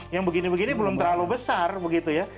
yang begini begini belum terlalu besar begitu ya